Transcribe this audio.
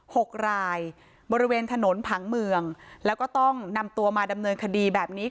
หกรายบริเวณถนนผังเมืองแล้วก็ต้องนำตัวมาดำเนินคดีแบบนี้